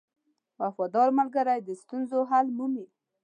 • وفادار ملګری د ستونزو حل مومي.